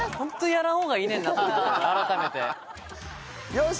よし！